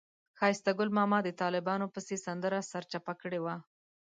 ښایسته ګل ماما د طالبانو پسې سندره سرچپه کړې وه.